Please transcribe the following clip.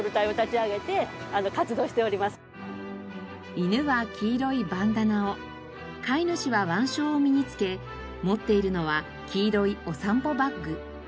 犬は黄色いバンダナを飼い主は腕章を身に着け持っているのは黄色いお散歩バッグ。